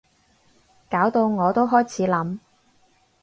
搞到我都開始諗